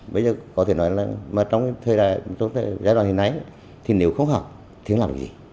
bây giờ có thể nói là trong giai đoạn hồi nãy thì nếu không học thì làm gì